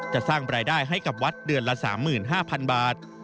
จะสร้างรายได้ให้กับวัดเดือนละ๓๕๐๐๐บาท